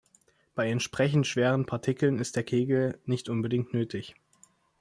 Bei entsprechend schweren Partikeln ist der Kegel nicht unbedingt nötig.